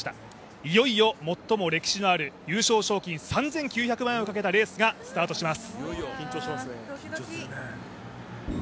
いよいよ最も歴史のある優勝賞金３９００万円をかけたレースがスタートします。